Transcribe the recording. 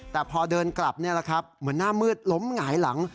แต่พอเดินกลับเนี่ยแหละครับเหมือนหน้ามืดล้มหงายหลัง